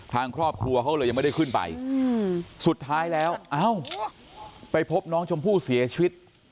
ทางครอบครัวเขาเลยยังไม่ได้ขึ้นไปสุดท้ายแล้วเอ้าไปพบน้องชมพู่เสียชีวิต